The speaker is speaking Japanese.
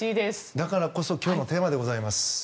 だからこそ今日のテーマでございます。